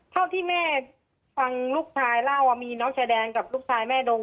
เท่าที่แม่ฟังลูกชายเล่าว่ามีน้องชายแดนกับลูกชายแม่ดง